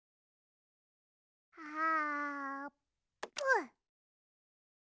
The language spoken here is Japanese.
あーぷん！